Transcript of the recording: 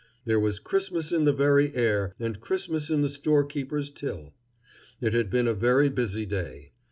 There was Christmas in the very air and Christmas in the storekeeper's till. It had been a very busy day.